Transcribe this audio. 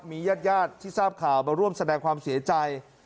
มีญาติญาติที่ทราบข่าวมาร่วมแสดงความเสียใจ